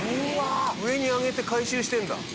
上に上げて回収してんだ。